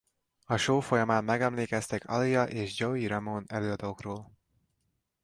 A show folyamán megemlékeztek Aaliyah és Joey Ramone előadókról.